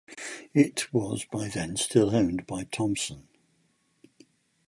It was by then still owned by Thomsen.